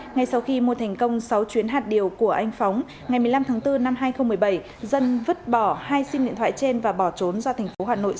ngay sau khi mua thành công sáu chuyến hạt điều của anh phóng ngày một mươi năm tháng bốn năm hai nghìn một mươi bảy dân vứt bỏ hai sim điện thoại trên và bỏ trốn ra tp hcm